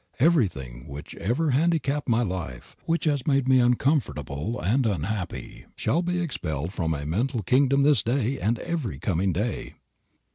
Everything which ever handicapped my life, which has made me uncomfortable and unhappy, shall be expelled from my mental kingdom this day and every coming day."